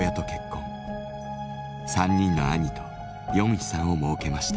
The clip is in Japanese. ３人の兄とヨンヒさんをもうけました。